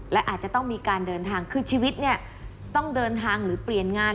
และอาจจะต้องมีการเดินทางคือชีวิตเนี่ยต้องเดินทางหรือเปลี่ยนงาน